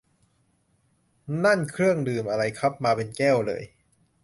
นั่นเครื่องดื่มอะไรครับ มาเป็นแก้วเลย